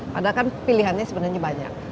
padahal kan pilihannya sebenarnya banyak